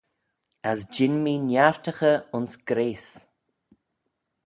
As jean mee niartaghey ayns grayse.